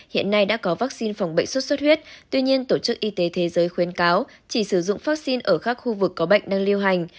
hiện nay đã có vaccine phòng bệnh sốt xuất huyết tuy nhiên tổ chức y tế thế giới khuyến cáo chỉ sử dụng vaccine ở các khu vực có bệnh đang liêu hành